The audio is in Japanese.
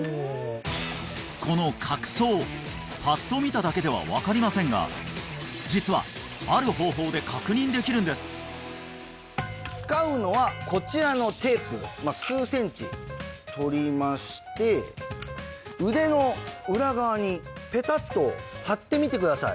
この角層パッと見ただけでは分かりませんが実は使うのはこちらのテープ数センチ取りまして腕の裏側にペタッと貼ってみてください